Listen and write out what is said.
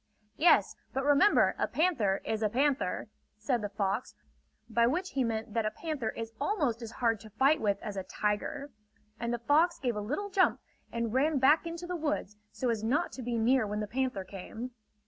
"Yes, but remember a panther is a panther!" said the fox; by which he meant that a panther is almost as hard to fight with as a tiger. And the fox gave a little jump and ran back into the woods, so as not to be near when the panther came.